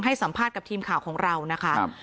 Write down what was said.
ให้สัมภาษณ์กับทีมข่าวของเรานะคะ